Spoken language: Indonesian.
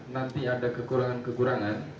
nanti ada kekurangan kekurangan